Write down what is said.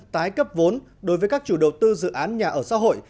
tái cấp vốn đối với các chủ đầu tư dự án nhà ở xã hội